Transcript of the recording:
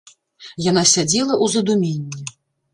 Яна сядзела ў задуменні.